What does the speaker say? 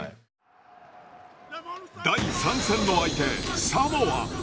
第３戦の相手サモア。